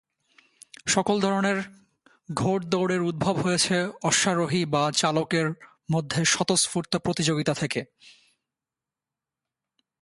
সকল ধরনের ঘোড়দৌড়ের উদ্ভব হয়েছে অশ্বারোহী বা চালকের মধ্যে স্বতঃস্ফূর্ত প্রতিযোগিতা থেকে।